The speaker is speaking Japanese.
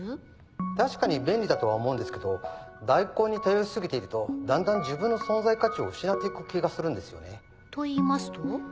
確かに便利だとは思うんですけど代行に頼り過ぎているとだんだん自分の存在価値を失って行く気がするんですよね。といいますと？